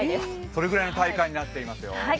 それぐらいの体感になっていますよ。